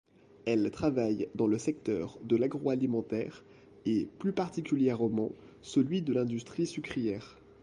Elle travaille dans le secteur de l'agroalimentaire et, plus particulièrement, celui de l'industrie sucrière.